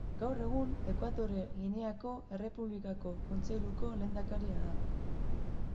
Gaur egun, Ekuatore Gineako Errepublikako Kontseiluko lehendakaria da.